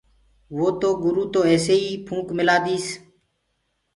تو وو گُروُ تو ايسي ئي ڦونڪ مِلآ ديس۔